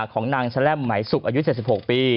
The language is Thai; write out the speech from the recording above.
ของนางแลมไหมสุกอายุ๗๖ปี